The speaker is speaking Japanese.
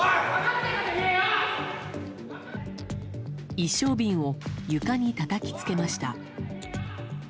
一升瓶を床にたたきつけました。